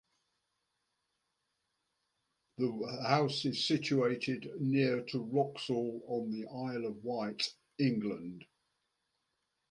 The house is situated near to Wroxall on the Isle of Wight, England.